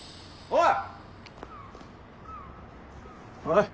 おい。